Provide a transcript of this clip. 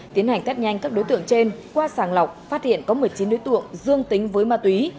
tiến hành test nhanh các đối tượng trên qua sàng lọc phát hiện có một mươi chín đối tượng dương tính với ma túy